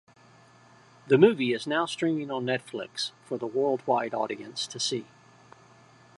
The movie is now streaming on Netflix for the worldwide audience to see.